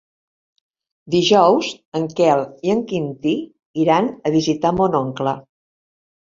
Dijous en Quel i en Quintí iran a visitar mon oncle.